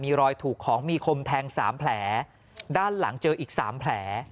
มีรอยถูกของมีคมแทงสามแผลด้านหลังเจออีกสามแผล